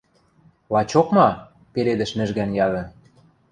— Лачок ма? — пеледӹш нӹжгӓн яды.